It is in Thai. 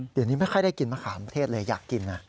เดี๋ยวนี้ไม่ค่อยได้กินมะขามเทศเลยอยากกินนะ